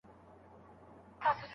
دا تیارې به رڼا کیږي